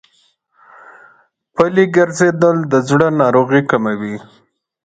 پلي ګرځېدل د زړه ناروغۍ کموي.